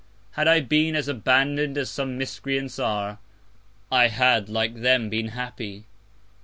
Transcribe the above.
Had I been as abandon'd as some Miscreants are, I had like them been happy.